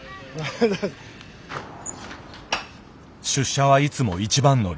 出社はいつも一番乗り。